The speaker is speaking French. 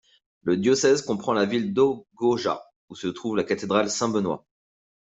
Le diocèse comprend la ville d'Ogoja, où se trouve la cathédrale Saint-Benoît.